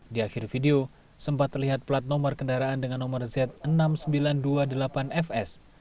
di akhir video sempat terlihat plat nomor kendaraan dengan nomor z enam ribu sembilan ratus dua puluh delapan fs